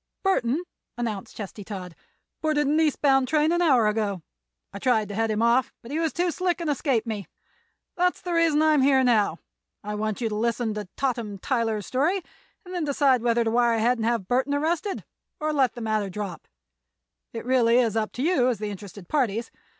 "Burthon," announced Chesty Todd, "boarded an east bound train an hour ago. I tried to head him off, but he was too slick and escaped me. That is the reason I am now here. I want you to listen to Totham Tyler's story and then decide whether to wire ahead and have Burthon arrested or let the matter drop. It is really up to you, as the interested parties.